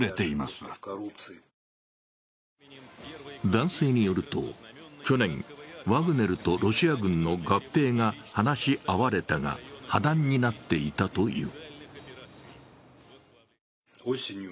男性によると去年、ワグネルとロシア軍の合併が話し合われたが、破談になっていたという。